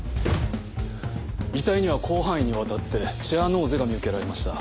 遺体には広範囲にわたってチアノーゼが見受けられました。